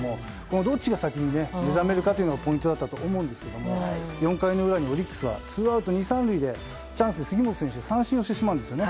どっちが先に目覚めるかがポイントだったと思うんですけれども４回裏、オリックスはツーアウト２塁３塁でチャンスで杉本選手が三振をしてしまうんですよね。